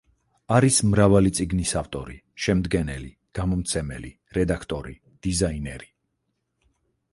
არის მრავალი წიგნის ავტორი, შემდგენელი, გამომცემელი, რედაქტორი, დიზაინერი.